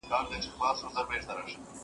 آیا راتلونکی تر تېر وخت اوږد دی؟